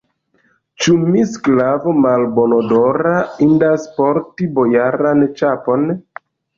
Ĉu mi, sklavo malbonodora, indas porti bojaran ĉapon?